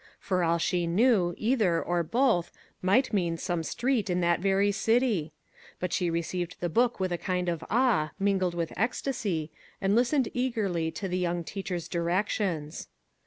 For all she knew, either, or both, might mean some street in that very city. But she received the book with a kind of awe, mingled with ecstacy, and listened eagerly to the young teacher's directions.